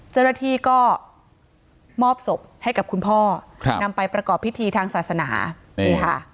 เจ้าหน้าที่ก็มอบศพให้กับคุณพ่อครับนำไปประกอบพิธีทางศาสนานี่ค่ะ